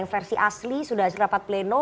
yang versi asli sudah terdapat pleno